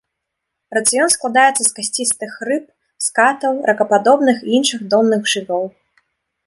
Рацыён складаецца з касцістых рыб, скатаў, ракападобных і іншых донных жывёл.